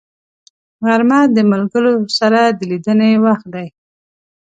غرمه د ملګرو سره د لیدنې وخت دی